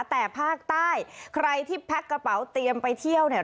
แต่ภาคใต้ใครที่แพ็คกระเป๋าเตรียมไปเที่ยวเนี่ย